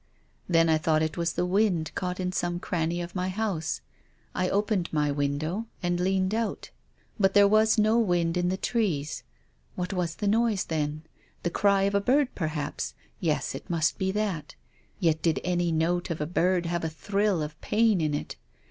Then I thought it was the wind caught in some cranny of my house. I opened my window and leaned 210 TONGUES OF CONSCIENCE. out. But there was no wind in the trees. What was the noise then ? The cry of a bird perhaps. Yes, it must be that. Yet did any note of a bird have a thrill of pain in it